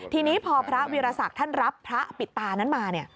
ทีนี้พอพระวีรศักดิ์ท่านรับพระปิดตานั้นมา